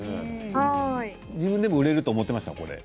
自分でも売れると思ってましたか？